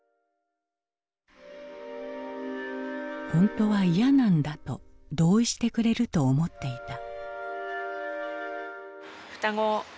「本当は嫌なんだ」と同意してくれると思っていた。